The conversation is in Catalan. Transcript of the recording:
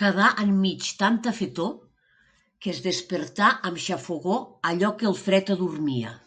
Quedà enmig tanta fetor que es despertà amb xafogor allò que el fred adormia.